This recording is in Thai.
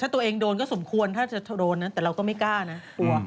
ถ้าตัวเองโดนก็สมควรถ้าเราก็ไม่กล้านะ